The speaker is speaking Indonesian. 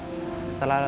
saya keluar dari al islam